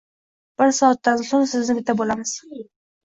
Bir soatdan so’ng siznikida bo’lamiz.